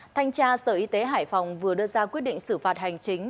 thanh tra sở y tế hải phòng vừa đưa ra quyết định xử phạt hành chính